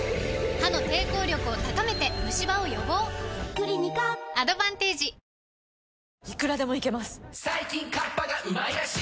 クリニカアドバンテージ進